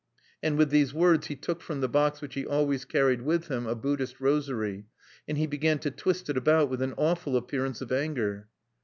And with these words he took from the box which he always carried with him a Buddhist rosary; and he began to twist it about with an awful appearance of anger.